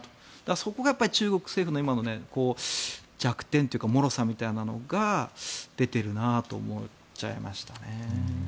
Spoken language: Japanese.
そこが中国政府の今の弱点というかもろさみたいなのが出ているなと思っちゃいました。